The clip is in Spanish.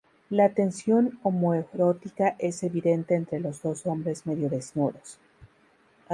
La tensión homoerótica es evidente entre los dos hombres medio desnudos.